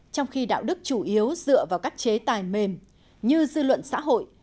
trong khi đạo đức chủ yếu dựa vào các chế tài mềm như dư luận xã hội